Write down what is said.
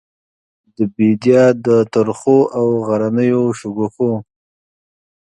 د بیدیا د ترخو او غرنیو شګوفو،